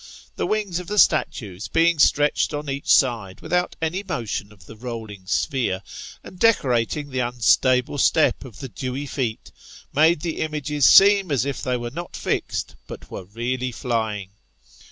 ] The wings of the statues being stretched on each side without any motion of the rolling sphere, and decorating the unstable step of the dewy feet, made jthe images seem as if they were not fixed, but were really flying.